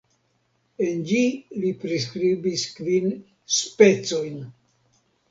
En ĝi li priskribis kvin "specojn".